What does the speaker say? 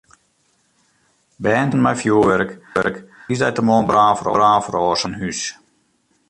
Bern dy't boarten mei fjurwurk hawwe tiisdeitemoarn brân feroarsake yn in hús.